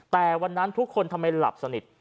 แต่วันนั้นทุกคนทำไมหลับสนิท